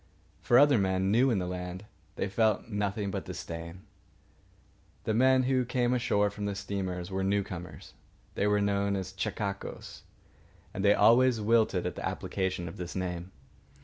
For other men, new in the land, they felt nothing but disdain. The men who came ashore from the steamers were newcomers. They were known as chechaquos, and they always wilted at the application of the name.